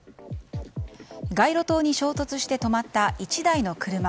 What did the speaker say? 街路灯に衝突して止まった１台の車。